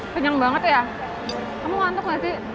kenyang banget ya kamu ngantuk gak sih